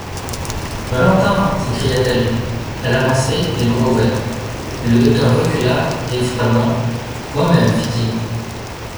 Valentin !… s'écria-t-elle ! Elle avançait, les bras ouverts ; mais le docteur recula et, froidement : Moi-même, fit-il.